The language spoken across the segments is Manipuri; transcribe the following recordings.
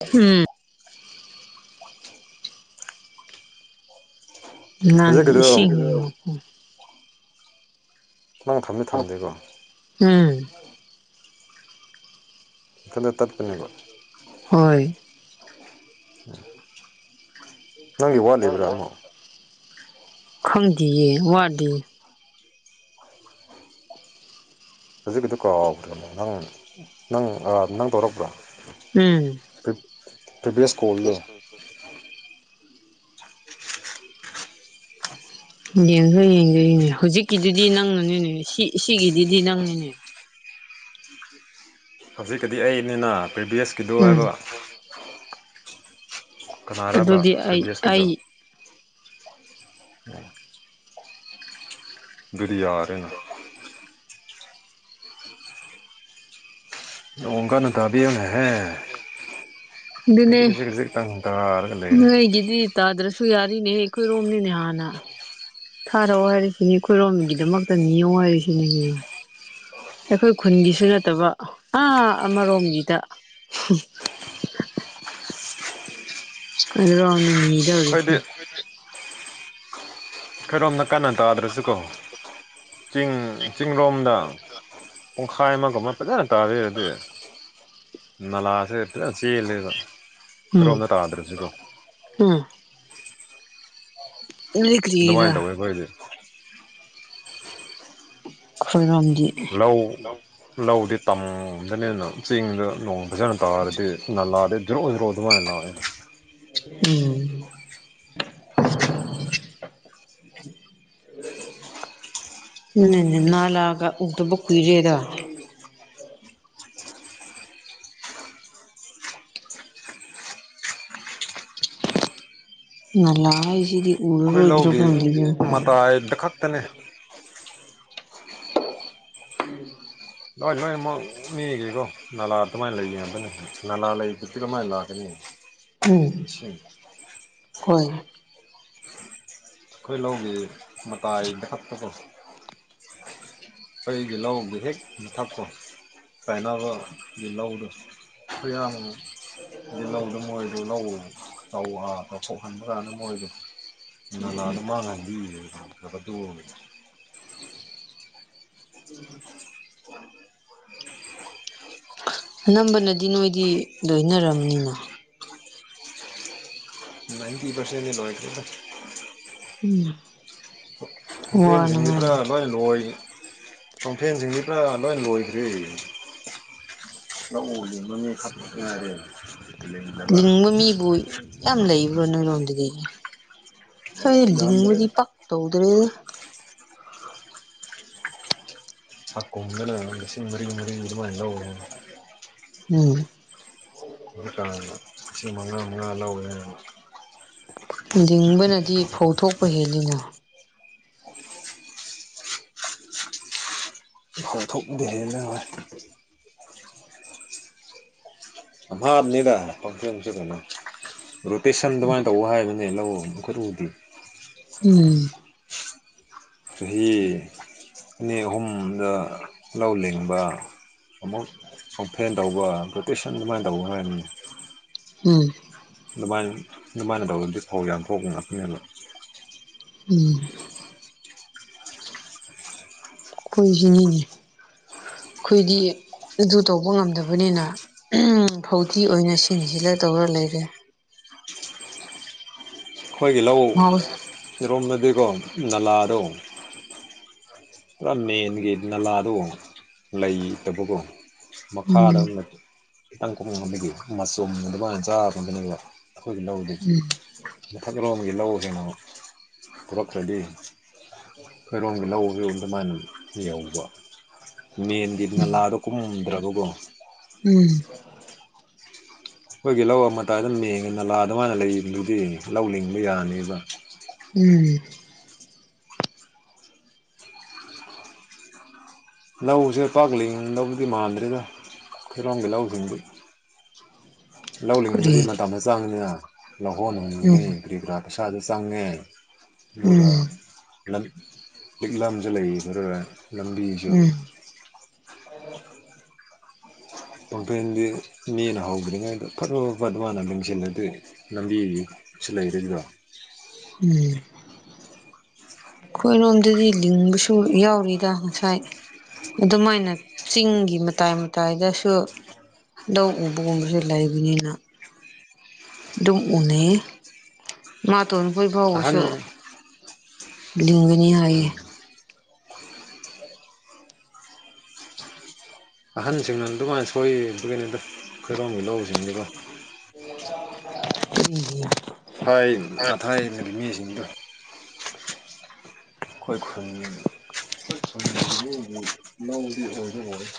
ꯎꯝ ꯅꯪ ꯍꯧꯖꯤꯛꯀꯤꯗꯣ ꯏꯁꯤꯡ ꯍꯀꯣ ꯈꯤ ꯅꯪ ꯊꯝꯅꯤ ꯊꯝꯗꯣꯏꯀꯣ ꯎꯝ ꯏꯊꯟꯗ ꯇꯠꯄꯅꯦꯕ ꯍꯣꯏ ꯎꯝ ꯅꯪꯒꯤ ꯋꯥꯠꯂꯤꯕ꯭ꯔꯣꯃꯣ ꯈꯪꯗꯦꯌꯦ ꯋꯥꯗꯤ [unintelligible] [unintelligible] ꯍꯧꯖꯤꯛꯀꯤꯗꯨ ꯀꯥꯎꯈ꯭ꯔꯦꯅꯦ ꯅꯪ ꯅꯪ ꯅꯪ ꯇꯧꯔꯛꯄ꯭ꯔꯥ ꯎꯝ ꯄ ꯄꯔꯤꯄ ꯁ꯭ꯀꯨꯜ ꯑ ꯌꯦꯡꯈ ꯌꯦꯡꯖꯩꯅꯦ ꯍꯧꯖꯤꯛꯀꯤꯗꯨꯗꯤ ꯅꯪꯉꯅꯤꯅꯦ ꯁꯤ ꯁꯤꯒꯤꯗꯨꯗꯤ ꯅꯪꯉꯅꯦ ꯍꯧꯖꯤꯛꯀꯤꯗꯤ ꯑꯩꯅꯤꯅ ꯄ꯭ꯔꯤꯚꯤꯌꯁꯀꯤꯤꯗꯣ ꯎꯝ ꯍꯥꯏꯕ ꯀꯅꯥꯔꯕ ꯑꯗꯨꯗꯤ ꯑꯩ ꯄ꯭ꯔꯗꯦꯁꯀꯤꯗꯣ ꯑꯩ ꯔꯤꯌꯥꯔꯦꯅ ꯣꯡꯀꯅ ꯇꯥꯕꯤ ꯍꯧꯅꯍꯦ ꯀꯖꯤ ꯑꯗꯨꯅꯦ ꯀꯖꯤꯦ ꯀꯖꯤ ꯇꯪ ꯅꯣꯏꯒꯤꯗꯤ ꯇꯥꯗ꯭ꯔꯁꯨ ꯌꯥꯔꯤꯅꯦꯍ ꯑꯩꯈꯣꯏꯔꯣꯝꯅꯤꯅꯦ ꯍꯥꯟꯅ ꯊꯥꯔꯛꯑꯣ ꯍꯥꯏꯔꯤꯁꯤꯅꯤ ꯑꯩꯈꯣꯏꯔꯣꯝꯒꯤꯗꯃꯛꯇ ꯅꯤꯉꯣ ꯍꯥꯏꯔꯤꯁꯤꯅꯦ ꯑꯩꯈꯣꯏ ꯈꯨꯟꯒꯤꯁꯨ ꯅꯠꯇꯕ ꯑꯥ ꯑꯃꯔꯣꯝꯒꯤꯗ ꯑ ꯂ ꯅꯅꯤꯗꯧꯔꯤꯁꯤ ꯑꯩꯈꯣꯏꯗꯤ ꯈꯔꯣꯝ ꯀꯟꯅ ꯇꯥꯗ꯭ꯔꯁꯨꯀꯣ ꯆꯤꯡ ꯆꯤꯡꯂꯣꯝꯗ ꯄꯨꯡꯈꯥꯏ ꯑꯃꯒꯨꯝ ꯑꯃ ꯐꯖꯅ ꯇꯥꯕꯤꯔꯗꯤ ꯅꯂꯥꯁꯦ ꯆꯦꯜꯂꯦꯕ ꯎꯝ ꯈꯔꯣꯝꯗ ꯇꯥꯗ꯭ꯔꯁꯤꯀꯣ ꯎꯝ ꯑꯗꯨꯗꯤ ꯀꯔꯤꯔꯥ ꯑꯗꯨꯃꯥꯏꯅ ꯇꯧꯋꯤ ꯑꯩꯈꯣꯏꯗꯤ [unintelligible] ꯂꯧ ꯂꯧꯗꯤ ꯇꯝꯗꯅꯤ ꯑꯗꯨꯅ ꯆꯤꯡꯗ ꯅꯣꯡ ꯐꯖꯅ ꯇꯥꯔꯗꯤ ꯅꯥ ꯂꯥꯦ ꯣ ꯖꯣ ꯃꯅ ꯂꯥꯗ ꯎꯝ [unintelligible] ꯅꯦ ꯅꯥꯒ ꯎꯗ ꯀꯨ ꯔꯦꯗ ꯅꯂꯥ ꯍꯥꯏꯁꯤꯗꯤ ꯎꯔꯔꯣꯏꯗ꯭ꯔꯣ ꯀꯩꯅꯣ ꯂꯩꯗꯣꯏ ꯇꯥꯏꯗꯛꯛꯇꯅꯦ ꯂꯣꯏ ꯂꯣꯏ ꯑꯃꯨꯛ ꯃꯤꯒꯤꯀꯣ ꯅꯥꯂꯥ ꯑꯗꯨꯃꯥꯏꯅ ꯂꯩꯒꯗꯅꯤ ꯅꯥꯂꯥ ꯂꯩꯕꯗꯤ ꯀꯃꯥꯏꯅ ꯂꯥꯛꯀꯅꯤ [inaudible] ꯎꯝ ꯏꯁꯤꯡ ꯍꯣꯏ ꯑꯩꯈꯣꯏ ꯂꯧꯒꯤ ꯃꯇꯥꯏꯗꯊꯛꯇꯀꯣ ꯑꯩꯒꯤ ꯂꯧꯍꯧꯒꯤ ꯍꯦꯛ ꯃꯊꯛꯇꯣ ꯇꯥꯏꯅꯕꯒꯤ ꯂꯧꯗꯣ [unintelligible] ꯏ ꯂꯥꯎꯗ ꯃꯣꯔꯣꯏꯗꯣ ꯂꯥꯎ ꯇꯧꯕ ꯄꯧꯈꯥꯟꯈꯅ ꯃꯣꯔꯣꯏꯗꯣ ꯅꯂꯥꯗ ꯃꯥꯅ ꯍꯥꯏꯟꯕꯤꯦ ꯈ ꯇꯣ [unintelligible] ꯑꯅꯝꯕꯅꯗꯤ ꯅꯣꯏꯗꯤ ꯂꯣꯏꯅꯔꯝꯅꯤꯅ ꯅꯥꯏꯟꯇꯤ ꯄꯔꯁꯦꯟ [unintelligible] ꯎꯝ ꯍꯐꯦꯟꯁꯤꯡꯗꯤ ꯄꯨꯔꯥ ꯋꯥꯅꯉꯥꯏ ꯂꯣꯏ ꯂꯣꯏ ꯀꯣꯡꯐꯦꯟꯁꯤꯡꯗꯤ ꯄꯨꯔꯥ ꯂꯣꯏ ꯂꯣꯏꯈ꯭ꯔꯦ ꯂꯧ ꯎꯗꯤ ꯃꯃꯤꯡ ꯈꯄ ꯉꯥꯏꯔꯦ ꯂꯤꯡꯗꯕ ꯂꯤꯡꯕ ꯃꯤꯕꯨ ꯌꯥꯝ ꯂꯩꯕ꯭ꯔꯣ ꯅꯣꯏꯔꯣꯝꯗꯗꯤ ꯍꯣꯏ ꯂꯤꯡꯕꯗꯤ ꯌꯥꯝꯗ꯭ꯔꯦꯗ ꯄꯛ ꯇꯧꯗ꯭ꯔꯦ ꯑ ꯀꯣꯗꯂ ꯁꯤ ꯃꯔꯤ ꯃꯔꯤ ꯑꯗꯨꯃꯥꯏꯅꯣ ꯎꯝ ꯑꯗꯨ ꯀꯥꯟꯗ ꯂꯤꯁꯤꯡ ꯃꯉꯥ ꯃꯉꯥ ꯂꯧꯔꯅꯦꯕ ꯂꯤꯡꯕꯅꯗꯤ ꯐꯧꯊꯣꯛꯄ ꯍꯦꯜꯂꯤꯅ ꯐꯥꯎꯊꯣꯛ ꯗꯦꯔꯦꯅꯦ ꯑ ꯍꯥꯅꯤꯗ ꯍꯁꯤꯁꯤ ꯀ ꯔꯣꯇꯦꯁꯟ ꯑꯗꯨꯃꯥꯏꯅ ꯇꯧꯧꯕ ꯍꯥꯏꯕꯅꯦ ꯂꯧꯣꯏ ꯎꯝ ꯆꯍꯤ ꯑꯅꯤ ꯑꯍꯨꯝꯗ ꯂꯧ ꯂꯤꯡꯕ ꯑꯃꯨꯛ ꯁ ꯐꯦꯟ ꯇꯧꯕ ꯒ꯭ꯔꯣꯇꯦꯁꯟ ꯑꯗꯨꯃꯥꯏꯅ ꯇꯧꯕ ꯍꯥꯏꯕꯅꯤ ꯎꯝ ꯑꯗꯨꯃꯥꯏꯅ ꯑꯗꯨꯃꯥꯏꯅ ꯇꯧꯗꯗꯤ ꯐꯧ ꯌꯥꯝ ꯊꯣꯛꯄ ꯉꯥꯛꯇꯅꯦꯕ ꯎꯝ ꯑꯩꯈꯣꯏ ꯍꯤꯡꯉꯤꯅꯤ ꯑꯩꯈꯣꯏꯗꯤ ꯑꯗꯨ ꯇꯧꯕ ꯉꯝꯗꯕꯅꯤꯅ ꯐꯧꯗꯤ ꯑꯣꯏꯅ ꯁꯤꯁꯤꯡꯁꯤꯗ ꯇꯧꯔ ꯂꯩꯔꯦ ꯑꯩꯈꯣꯏꯒꯤꯍ ꯃꯍꯧ ꯏꯔꯣꯝꯅꯗꯤꯀꯣ ꯅꯂꯥꯗꯣ ꯄꯨꯔꯥ ꯃꯦꯟꯒꯤ ꯅꯂꯥꯗꯣ ꯂꯩꯇꯕꯀꯣ ꯃꯈꯥꯗ ꯎꯝ ꯑꯃ [unintelligible] ꯈꯤꯇꯪ ꯀꯨꯝꯃ ꯑꯃꯒꯤꯒꯤ ꯃꯆꯨꯝ ꯑꯗꯨꯃꯥꯏꯅ ꯆꯥꯕꯗꯨꯅꯦꯕ ꯑꯩꯈꯣꯏꯒꯤ ꯂꯧꯗꯨ ꯎꯝ ꯃꯊꯛꯔꯣꯝꯒꯤ ꯂꯧ ꯍꯦꯟꯅ ꯄꯨꯔꯛꯈ꯭ꯔꯗꯤ ꯈꯣꯏꯔꯣꯝꯒꯤ ꯂꯧꯁꯨ ꯑꯗꯨꯃꯥꯏꯅ ꯌꯧꯕ ꯃꯦꯟꯗꯤ ꯅꯂꯥꯗꯣ ꯀꯨꯝꯃꯝꯗ꯭ꯔꯕꯀꯣ ꯎꯝ ꯑꯩꯈꯣꯏꯒꯤ ꯂꯧ ꯑꯃꯥꯏꯗ ꯃꯦꯡ ꯅꯂꯥ ꯑꯗꯨꯃꯥꯏꯅ ꯂꯩꯗꯨꯗꯤ ꯂꯧ ꯂꯤꯡꯕ ꯌꯥꯅꯦꯕ ꯎꯝ ꯂꯧꯁꯦ ꯄꯥꯛꯂꯤꯡꯗꯧꯕꯨꯗꯤ ꯃꯥꯟꯗ꯭ꯔꯦꯗ ꯑꯩꯈꯣꯏꯔꯣꯝꯒꯤ ꯂꯧꯁꯤꯡꯗꯤ ꯂꯧ ꯀꯔꯤ ꯂꯤꯡꯕꯗꯤ ꯃꯇꯝ ꯆꯪꯉꯤꯅ ꯎꯝ ꯂꯧꯍꯣꯟꯍꯨꯟꯕꯗꯤ ꯀꯔꯤ ꯀꯔꯥ ꯄꯩꯁꯥꯗꯨ ꯆꯪꯉꯦ ꯑꯗꯨꯒ ꯎꯝ ꯂꯤꯛꯂꯝꯁꯨ ꯂꯩ ꯈꯔꯒ ꯂꯝꯕꯤꯁꯨ ꯎꯝ ꯎꯝ ꯀꯝꯄꯦꯟꯗꯤ ꯃꯤꯅ ꯍꯧꯗ꯭ꯔꯤꯉꯩꯗ ꯐꯔꯕ ꯑꯗꯨ ꯃꯥꯅ ꯂꯡꯁꯤꯜꯂꯗꯤ ꯂꯝꯕꯤꯒꯤ ꯁꯤ ꯂꯩꯔꯗ꯭ꯔꯣ ꯎꯝ ꯑꯩꯈꯣꯏꯔꯣꯝꯗꯗꯤ ꯂꯤꯡꯕꯁꯨ ꯌꯥꯎꯔꯤꯗ ꯉꯁꯥꯏ ꯑꯗꯨꯃꯥꯏꯅ ꯆꯤꯡꯒꯤ ꯃꯇꯥꯏ ꯃꯇꯥꯏꯗꯁꯨ ꯂꯧ ꯎꯕꯒꯨꯝꯕꯁꯦ ꯂꯥꯏꯕꯅꯤꯅ ꯑꯗꯨꯝ ꯎꯅꯩꯌꯦ ꯃꯥꯇꯣꯟꯅ ꯀꯣꯏꯕ ꯑꯍꯟ ꯑꯣꯏꯁꯨ ꯂꯤꯡꯒꯅꯤ ꯍꯥꯏꯌꯦ ꯑꯍꯟꯁꯤꯡꯅ ꯑꯗꯨꯃꯥꯏꯅ ꯁꯣꯏ ꯑꯗꯨꯒꯤꯅꯤꯗ ꯑꯩꯈꯣꯏꯔꯣꯝꯒꯤ ꯂꯧꯁꯤꯡꯁꯤꯀꯣ [unintelligible] ꯍꯣꯏ ꯑꯊꯥꯏꯅ ꯃꯤꯁꯤꯡꯗꯣ ꯑꯩꯈꯣꯏ ꯈꯨꯜ ꯑꯩꯈꯣꯏ ꯈꯨꯜꯒꯤ ꯂꯧꯗꯤ ꯂꯧꯗꯤ ꯑꯣꯏꯔꯔꯣꯏ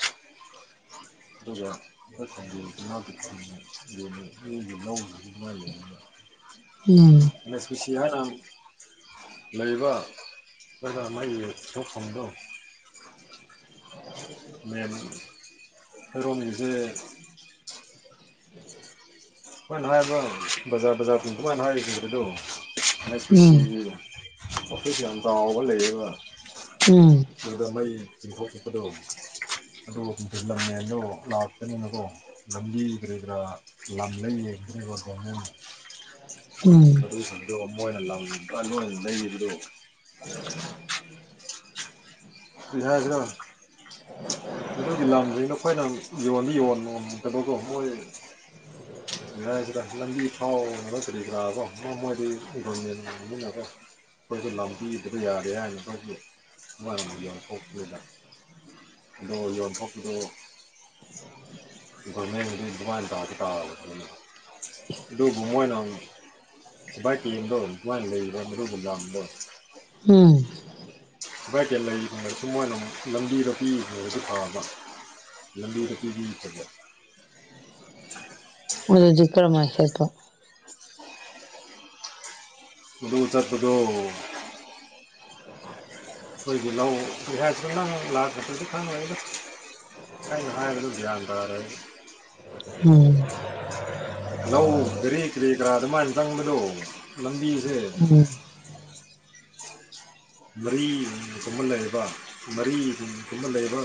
[unintelligible] [unintelligible] ꯎꯝ ꯃꯦꯁꯄꯤ ꯁꯤꯍꯥꯔꯥꯝ ꯂꯩꯕ ꯑꯗꯨꯒꯥ ꯃꯥꯒꯤ ꯊꯣꯛꯐꯝꯗꯣ ꯃꯌꯥꯝ ꯍꯦꯔꯣꯅꯤꯁꯦ ꯑꯩꯈꯣꯏꯅ ꯍꯥꯏꯌꯦꯕ ꯕꯖꯥꯔ ꯕꯖꯥꯔ ꯇ ꯀꯃꯥꯏꯅꯣ ꯍꯥꯏ꯭ꯔꯗꯣ ꯑꯦꯟ ꯑꯩꯆ ꯄꯤ ꯎꯝ ꯁꯤꯒꯤ ꯑꯣꯐꯤꯁ ꯌꯥꯝꯆꯥꯎꯕ ꯂꯩꯌꯦꯕ ꯎꯝ ꯑꯗꯨꯗ ꯃꯩ ꯆꯤꯡꯊꯣꯛꯄꯗꯣ ꯑꯗꯨ [unintelligible] ꯂꯥꯛꯇꯅꯤꯅꯀꯣ ꯂꯝꯕꯤ ꯀꯔꯤ ꯀꯔꯥ ꯂꯝ [unintelligible] ꯎꯝ ꯃꯗꯨꯁꯤꯡꯗꯣ ꯃꯣꯏꯅ ꯂꯝ ꯂꯣꯏꯅ ꯂꯩꯕꯗꯣ ꯀꯔꯤꯍꯥꯏꯁꯤꯔꯥ ꯃꯗꯨꯒꯤ ꯂꯝꯁꯤꯡꯗꯣ ꯑꯩꯈꯣꯏꯅ ꯌꯣꯟꯗꯤ ꯌꯣꯟꯗꯕꯀꯣ ꯃꯣꯏ [unintelligible] ꯅꯨꯡꯉꯥꯏꯇꯦꯗ ꯂꯝꯕꯤ ꯐꯥꯎꯅꯕ ꯀꯔꯤ ꯀ꯭ꯔꯥꯗꯣ ꯃꯣꯏꯗꯤ ꯒꯣꯕꯔꯃꯦꯟꯅꯤꯅꯀꯣ ꯑꯩꯈꯣꯏꯁꯨ ꯂꯝꯄꯤꯗꯕ ꯌꯥꯗꯦ [unintelligible] ꯊꯣꯛꯂꯨꯗꯥ ꯑꯗꯣ ꯌꯣꯟꯊꯣꯛꯄꯗꯣ ꯒꯣꯕꯔꯃꯦꯟꯀꯤ ꯑꯗꯨꯃꯥꯏꯅ ꯇꯧꯔꯗꯤꯀꯣ ꯐꯒꯗꯕꯅꯤ ꯑꯗꯨꯕꯨ ꯃꯣꯏꯅ ꯕꯥꯏꯛ ꯀꯂꯤꯟꯗꯣ ꯃꯥꯏꯅ ꯂꯩꯕ ꯃꯗꯨꯒꯨꯝꯕ ꯎꯝ ꯚꯥꯏ ꯀꯦꯜ ꯂꯩꯒꯨꯝꯕꯗꯁꯨ ꯃꯣꯏꯅ ꯂꯝꯕꯤꯗꯣꯄꯤꯕꯑꯣꯏꯗꯤ ꯐꯕ ꯂꯝꯕꯤꯗ [unintelligible] ꯐꯕ ꯃꯣꯏꯗꯨꯗꯤ ꯀꯔꯃꯥꯏ ꯆꯠꯄ ꯑꯗꯨ ꯆꯠꯄꯗꯣ ꯑꯩꯈꯣꯏꯒꯤ ꯂꯧ ꯀꯔꯤ ꯍꯥꯏꯁꯤꯔ ꯅꯪ ꯂꯥꯛꯇꯔꯗꯤ ꯈꯪꯉꯣꯏꯗ ꯑꯩꯅ ꯍꯥꯏꯕꯗꯨ ꯒꯌꯥꯟ ꯇꯥꯔꯔꯣꯏ ꯎꯝ ꯂꯧ ꯀꯔꯦ ꯀꯔꯦ ꯀꯔꯥ ꯑꯗꯨꯃꯥꯏꯅ ꯆꯪꯕꯗꯣ ꯂꯝꯕꯤꯁꯦ ꯎꯝ ꯃꯔꯤꯒꯨꯝꯕ ꯂꯩꯕ ꯃꯔꯤꯒꯨꯝꯕ ꯂꯩꯕ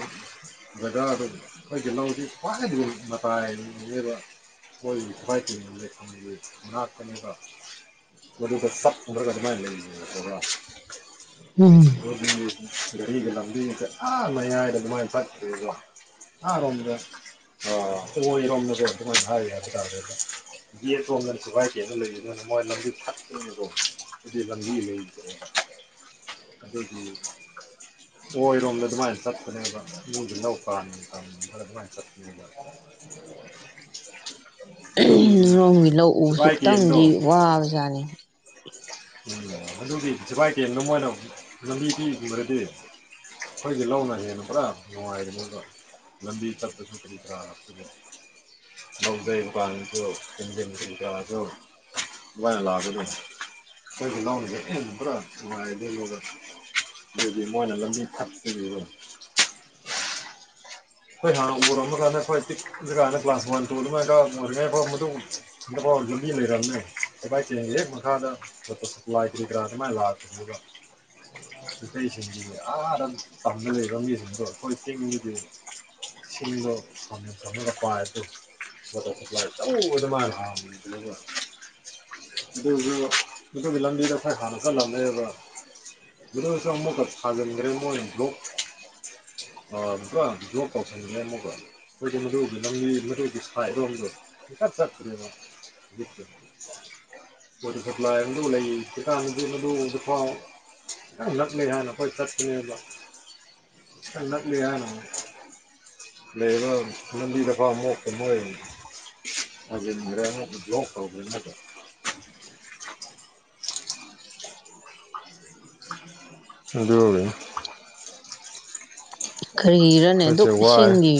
ꯖꯒꯥꯗ ꯑꯩꯈꯣꯏꯒꯤ ꯂꯧꯗꯤ ꯈ꯭ꯋꯥꯏꯗꯒꯤ ꯃꯇꯥꯏꯗꯅꯦꯕ ꯫ ꯃꯣꯏ ꯁꯥꯏ ꯇꯒꯤ ꯉꯥꯛꯄꯅꯦꯕ ꯃꯗꯨꯒ ꯆꯞ ꯎꯔꯒ ꯑꯗꯨꯃꯥꯏꯅ ꯂꯩꯈꯔꯅꯦꯕ ꯎꯝ ꯒꯥꯔꯤꯒꯤ ꯂꯝꯕꯤ ꯐ ꯌꯥꯝ ꯃꯌꯥꯏꯗ ꯑꯗꯨꯃꯥꯏꯅ ꯆꯠꯈ꯭ꯔꯦꯀꯣ ꯑꯥꯔꯣꯝꯗ ꯑꯣꯏꯔꯣꯝꯗꯁꯨ ꯑꯗꯨꯣꯏꯅ ꯍꯥꯏ ꯍꯥꯏꯕ ꯇꯥꯔꯦ ꯌꯦꯠꯔꯣꯝꯗ ꯁꯤꯐꯥꯏ ꯀꯦꯝ ꯂꯩꯕꯅꯤꯅ ꯃꯣꯏ ꯂꯝꯕꯤ ꯊꯠꯄꯅꯤꯗꯣ ꯑꯗꯨꯗꯤ ꯂꯝꯕꯤ ꯂꯩꯗ꯭ꯔꯦꯅ ꯑꯗꯨꯒꯤ ꯑꯣꯏꯔꯣꯝꯗ ꯑꯗꯨꯃꯥꯏꯅ ꯆꯠꯄꯅꯦꯕ ꯃꯣꯏꯒꯤ ꯂꯧ ꯄꯥꯟꯐꯝ ꯈꯔ ꯑꯗꯨꯃꯥꯏꯅ ꯆꯠꯄꯅꯦꯕ ꯑꯗꯨꯒꯤꯅꯤ ꯑꯗꯣꯝꯒꯤ ꯂꯧ ꯎꯕꯁꯨ ꯈꯤꯇꯪꯗꯤ ꯋꯥꯕꯖꯥꯠꯅꯤ ꯎꯝ ꯑꯗꯨꯒꯤ ꯁꯤꯐꯥꯏ ꯀꯦꯝꯗꯣ ꯃꯣꯏꯅ ꯂꯝꯕꯤ ꯄꯤꯕꯤꯔꯗꯤ ꯑꯩꯈꯣꯏꯒꯤ ꯂꯧꯅ ꯍꯦꯟꯅ ꯄꯨꯂꯞ ꯅꯨꯡꯉꯥꯏꯕꯅꯤꯕ ꯂꯝꯕꯤ ꯇꯄ [unintelligible] ꯂꯧꯖꯩꯀꯥꯡꯁꯨ ꯏꯟꯖꯤꯟ ꯀꯒꯔꯤ ꯀꯔꯥꯁꯨ ꯋꯥꯏꯔ ꯂꯥꯛꯄꯗꯨ [unintelligible] ꯑꯗꯨꯗꯤ ꯃꯣꯏꯅ ꯂꯝꯕꯤ ꯊꯛꯇꯒꯤꯔꯣ ꯫ ꯑꯩꯈꯣꯏ ꯍꯥꯟꯅ ꯎꯔꯛꯃ ꯀꯥꯟꯗ ꯑꯩꯈꯣꯏ ꯄꯤꯛ ꯏꯀꯥꯟꯗ ꯀꯂꯥꯁ ꯋꯥꯟ ꯇꯨꯒ ꯑꯣꯏꯔꯤꯉꯩ ꯑꯩꯈꯣꯏ ꯃꯗꯨ ꯍꯟꯗꯛꯐꯥꯎ ꯂꯝꯕꯤ ꯂꯩꯔꯝꯅꯦ ꯁꯤꯐꯥꯏꯁꯤꯡꯒꯤ ꯍꯦꯛ ꯃꯈꯥꯗ ꯂꯥꯏ ꯀꯔꯤ ꯀꯔꯥ ꯑꯗꯨꯃꯥꯏ ꯂꯥꯛꯄꯅꯦꯕ꯫ ꯅꯨꯄꯥ ꯁꯤꯡꯒꯤ ꯑ ꯇꯝꯗ ꯂꯩꯕ ꯃꯤꯁꯤꯡꯗꯣ ꯈꯣꯏ ꯆꯤꯡꯗꯗꯤ꯫ ꯁꯤꯗꯣ ꯁꯃꯄ ꯑꯗꯨ [unintelligible] ꯑꯗꯨꯕꯨ ꯑꯗꯨꯒꯤ ꯂꯝꯕꯤꯗꯣ ꯈꯣꯏ ꯍꯥꯟꯅ ꯆꯠꯂꯝꯃꯦꯕ꯫ ꯑꯗꯨꯁ ꯃꯣꯏꯅ ꯊꯖꯤꯟꯈ꯭ꯔꯦ ꯃꯣꯏꯅ ꯕꯂꯣꯛ ꯑꯥ ꯕꯂꯣꯛ ꯀꯧꯁꯤꯟꯈꯦ ꯑꯃꯨꯀ ꯑꯩꯈꯣꯏꯗꯤ ꯑꯗꯨꯒꯤ ꯅꯪꯒꯤ ꯃꯗꯨꯒꯤ ꯁꯥꯏꯗꯣ ꯑꯗꯣ ꯁꯨꯡꯆꯠ ꯆꯠꯇꯔꯦꯕ꯫ [unintelligible] ꯂꯩꯇꯦꯗ ꯑꯗꯨ ꯅꯨꯄꯥ ꯌꯥꯝꯂꯠꯂꯤ ꯍꯥꯏꯅ ꯄꯣꯏ ꯆꯠꯕ ꯆꯟꯂꯂꯤ ꯍꯥꯏꯅ ꯂꯩꯕ ꯂꯝꯕꯤꯗ ꯃꯣꯛꯀꯨꯝꯕ ꯂꯩ ꯁꯖꯤꯛ ꯑꯃꯨꯝ ꯕꯂꯣꯛ ꯇꯧꯒꯔꯦ ꯑꯃꯨꯛꯀ ꯑꯗꯨ ꯑꯣꯏꯅꯦ ꯀꯔꯤꯔꯅꯦ ꯑꯩꯈꯣꯏꯁꯦ ꯗꯨꯛ ꯋꯥꯏ ꯏꯁꯤꯡꯒꯤ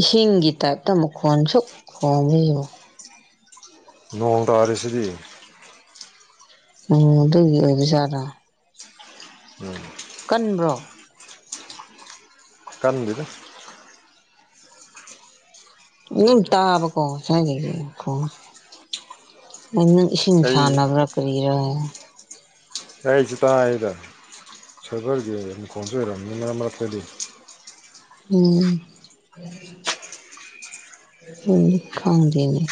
ꯏꯁꯤꯡꯒꯤ ꯇꯥꯏꯞꯇ ꯃꯈꯣꯟꯁꯨ ꯈꯣꯡꯕꯁꯤꯕꯨ ꯅꯣꯡꯇꯔꯤꯁꯤꯗꯤ ꯑꯣ ꯑꯗꯨ ꯑꯣꯕꯖꯠꯔ ꯎꯝ ꯀꯟꯕ꯭ꯔꯣ ꯀꯥꯟꯗꯦꯗ ꯎꯝ ꯇꯥꯕꯀꯣ ꯉꯁꯥꯏꯗꯒꯤ ꯃꯈꯣꯟꯁꯦ ꯑ ꯅꯪ ꯏꯁꯤꯡ ꯑꯩ ꯁꯥꯟꯅꯕ꯭ꯔꯥ ꯀꯔꯤꯔꯥ ꯑꯩꯁꯨ ꯇꯥꯏꯗ ꯁꯚꯔꯒꯤ ꯑꯃꯨ ꯈꯣꯟꯁꯨ ꯑꯣꯏꯔꯝꯅꯤ ꯃꯔꯛ ꯃꯔꯛꯇꯗꯤ ꯎꯝ ꯎꯝ ꯈꯪꯗꯦꯅꯦ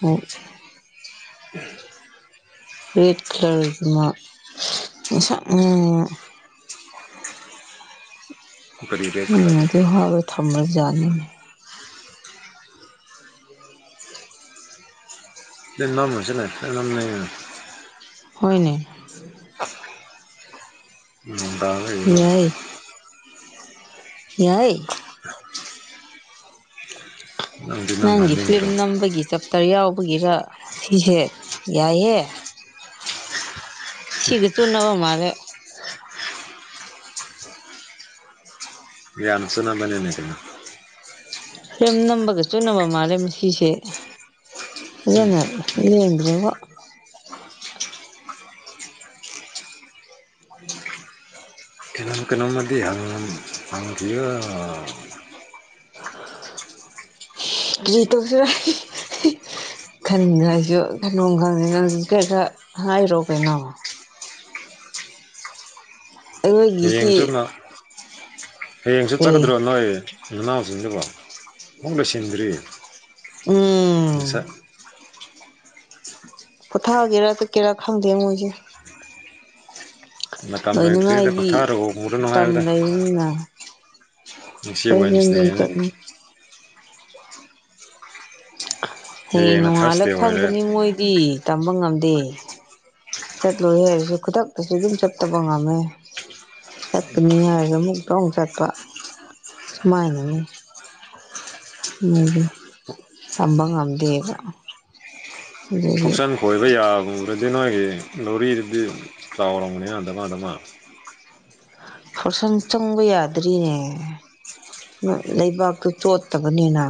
ꯑꯣ ꯔꯦꯠ ꯀꯂꯔꯒꯤꯃ ꯉꯁꯛ ꯉꯡꯕ ꯀꯔꯤ ꯕꯦꯛ ꯎꯝ ꯑꯗꯨ ꯍꯞꯔ ꯊꯝ꯭ꯔꯖꯥꯠꯅꯤꯅꯦ [unintelligible] ꯅꯝꯁꯤꯅꯦꯝ ꯍꯣꯏꯅꯦ ꯅꯣꯡ ꯇꯕꯒꯤ ꯌꯥꯏ ꯏ ꯅꯪꯗꯤ ꯅꯝ ꯅꯪꯒꯤ ꯐꯤꯂꯝ ꯍꯟꯅꯤꯡꯗ꯭ꯔꯣ ꯅꯝꯕꯒꯤ ꯆꯞ ꯇꯔ ꯌꯥꯎꯕꯒꯤꯔ ꯁꯤꯁꯦ ꯌꯥꯏꯍꯦ ꯁꯤꯒꯇꯨ ꯅꯕ ꯃꯥꯒꯦ ꯌꯥꯅꯁꯨꯅꯕꯅꯤꯅꯦꯗꯅ ꯁꯦꯝ ꯅꯝꯕꯒ ꯆꯨꯅꯕ ꯃꯥꯜꯂꯦ ꯁꯤꯁꯦ ꯖꯅ ꯏꯟ꯭ꯦ ꯋꯥ [unintelligible] ꯀꯩꯅꯣꯝꯃꯗꯤ ꯍꯜꯅ ꯐꯥꯪꯊꯣ [inaudible] ꯀꯔꯤꯇꯧꯁꯤꯔꯥ ꯈꯟꯗ ꯍꯥꯏꯁꯨ ꯀꯩꯅꯣꯝ ꯈꯪꯗꯦꯅ ꯍꯧ ꯀꯩ ꯈꯔ ꯍꯥꯏꯔꯣ ꯀꯩꯅꯣꯕ ꯑꯩꯈꯣꯏꯒꯤꯁꯤ ꯍꯌꯦꯡꯁꯨ ꯅ ꯍꯌꯦꯡꯁꯨ ꯀꯔꯤ ꯆꯠꯀꯗ꯭ꯔꯣ ꯅꯣꯏ ꯃꯅꯥꯎꯁꯤꯡꯗꯀꯣ ꯑꯃꯨꯛ ꯂꯣꯏꯁꯤꯟꯗ꯭ꯔꯤ ꯎꯝ ꯉꯁꯥꯏ ꯄꯨꯣꯊꯛꯑꯒꯦꯔꯥ ꯆꯠꯀꯦꯔꯥ ꯈꯪꯗꯦ ꯃꯣꯏꯁꯦ ꯑ ꯂꯣꯏꯅꯉ ꯑꯩꯗꯤ ꯄꯣꯊꯥꯔꯨꯔꯅꯨ ꯇꯝ ꯍꯥꯏꯕꯗ ꯂꯩꯕꯅ ꯉꯁꯤ ꯀꯩꯒ ꯋꯦꯟꯁꯗꯦꯅ ꯆꯠ ꯍꯌꯦꯡ ꯍꯌꯦꯡꯅ ꯊꯥꯔꯁꯗꯦ ꯅꯣꯡꯉꯥꯜꯂꯞ ꯑꯣꯏꯔꯦ ꯈꯪꯒꯅꯤ ꯃꯣꯏꯗꯤ ꯇꯝꯕ ꯉꯝꯗꯦ ꯆꯠꯂꯣꯏ ꯍꯥꯏꯔꯁꯨ ꯈꯨꯗꯛꯇꯁꯨ ꯑꯗꯨꯝ ꯆꯠꯇꯕ ꯉꯝꯃꯦ ꯆꯠꯀꯅꯤ ꯍꯥꯏꯔꯁꯨ ꯑꯃꯨꯛꯇ ꯑꯃꯨꯛ ꯆꯠꯄ ꯁꯨꯃꯥꯏꯅꯅꯤ ꯎꯗꯤ ꯇꯝꯕ ꯉꯝꯗꯦꯕ ꯑꯗꯨꯒꯤ ꯊꯣꯛꯆꯟ ꯀꯣꯏꯕ ꯌꯥꯨꯔꯗꯤ ꯅꯒꯤ ꯂꯧꯔꯤꯗꯨꯗꯤ ꯆꯥꯎꯔꯝꯒꯅꯤ ꯑꯗꯃꯗꯃ ꯍꯣꯔꯁꯪ ꯆꯪꯕ ꯌꯥꯗ꯭ꯔꯤꯅꯦ ꯂꯩꯕꯥꯛꯇꯨ ꯆꯣꯠꯇꯕꯅꯤꯅ